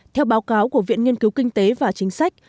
theo báo cáo của viện nghiên cứu kinh tế và chính sách